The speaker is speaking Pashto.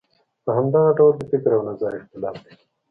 په همدغه ډول د فکر او نظر اختلاف دی.